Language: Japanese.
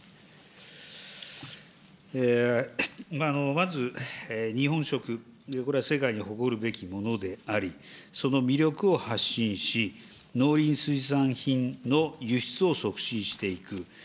まず日本食、これは世界に誇るべきものであり、その魅力を発信し、農林水産品の輸出を促進していく。